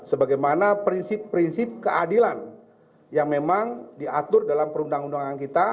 sebagaimana prinsip prinsip keadilan yang memang diatur dalam perundang undangan kita